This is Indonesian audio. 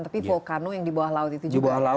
tapi vulkanu yang di bawah laut itu juga